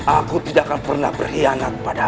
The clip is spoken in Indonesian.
aku tidak akan pernah berkhianat padamu